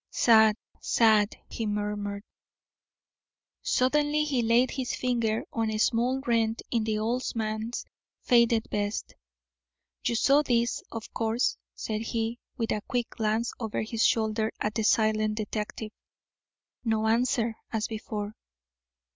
"Sad! Sad!" he murmured. Suddenly he laid his finger on a small rent in the old man's faded vest. "You saw this, of course," said he, with a quick glance over his shoulder at the silent detective. No answer, as before.